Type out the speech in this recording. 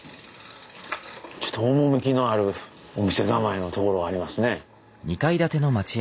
ちょっと趣のあるお店構えのところがありますね。